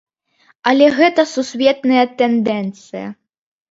Але гэта сусветная тэндэнцыя.